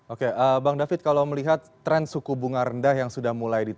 oke bang david kalau melihat tren suku bunga rendah yang sudah mulai di